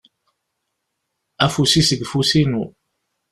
Afus-is deg ufus-inu.